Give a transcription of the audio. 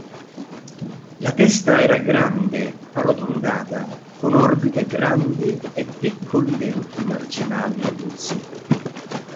La testa era grande, arrotondata, con orbite grandi e piccoli denti marginali aguzzi.